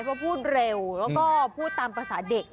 เพราะพูดเร็วแล้วก็พูดตามภาษาเด็ก